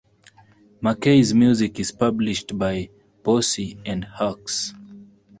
Mackey's music is published by Boosey and Hawkes.